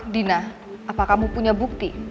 dina apa kamu punya bukti